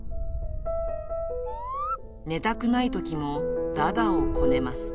寝たくないときも、だだをこねます。